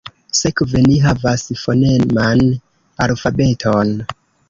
Sekve ni havas foneman alfabeton.